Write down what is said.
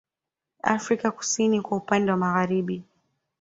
Afrika kusini kwa upande wake wa magharibi